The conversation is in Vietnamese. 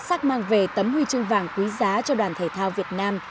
sắc mang về tấm huy chương vàng quý giá cho đoàn thể thao việt nam